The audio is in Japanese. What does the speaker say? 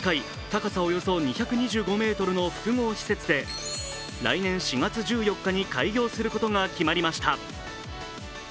高さおよそ２５５ｍの複合施設で来年４月１４日に開業することが決まりました。